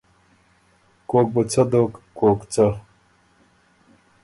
کوک بُو څۀ دوک، کوک څۀ۔